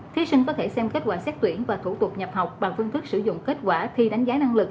thí sinh có thể xem kết quả xét tuyển và thủ tục nhập học bằng phương thức sử dụng kết quả thi đánh giá năng lực